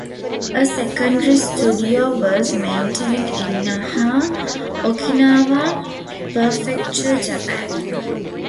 A secondary studio was maintained in Naha, Okinawa prefecture, Japan.